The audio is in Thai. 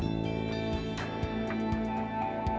เห็นหน้าของขวา